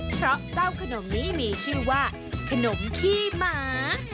เพราะเจ้าขนมนี้มีชื่อว่าขนมขี้หมา